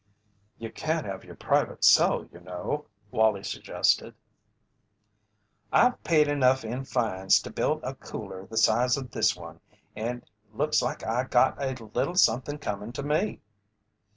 "You can't have your private cell, you know," Wallie suggested. "I've paid enough in fines to build a cooler the size of this one, and looks like I got a little somethin' comin' to me."